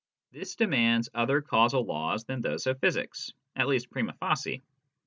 This demands other causal laws than those of physics at least primd facie.